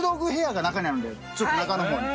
ちょっと中の方に。